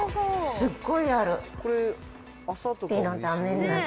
すっごいある。